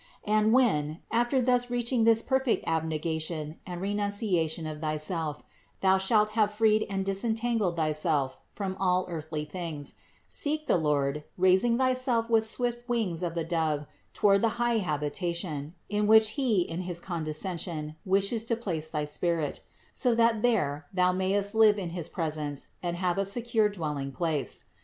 "And when, after thus reaching this perfect abne gation and renunciation of thyself, thou shalt have freed and disentangled thyself from all earthly things, seek the Lord, raising thyself with the swift wings of the dove toward the high habitation, in which He, in his condescension, wishes to place thy spirit; so that there thou mayest live in his presence and have a secure dwell ing place.